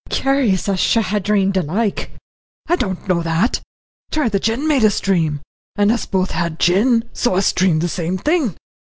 "Curious us should ha' dreamed alike." "I don't know that; 'twere the gin made us dream, and us both had gin, so us dreamed the same thing."